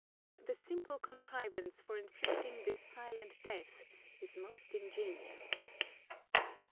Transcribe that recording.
The simple contrivance for inflicting this silent death is most ingenious.